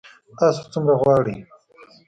تاسو څومره غواړئ؟